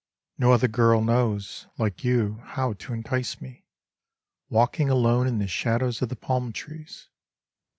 No other girl knows, like you, how to entice me. Walking alone in the shadows of the palm trees.